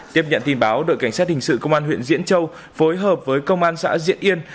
tiếp nhận tin báo đội cảnh sát hình sự công an huyện diễn châu phối hợp với công an xã diễn yên